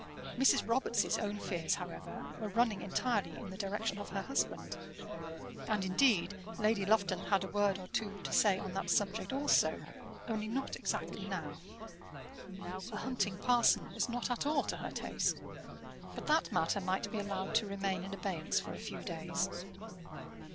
Mrs. Robarts' own fears, however, were running entirely in the direction of her husband; and, indeed, Lady Lufton had a word or two to say on that subject also, only not exactly now. A hunting parson was not at all to her taste; but that matter might be allowed to remain in abeyance for a few days.